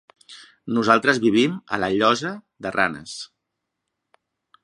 Nosaltres vivim a la Llosa de Ranes.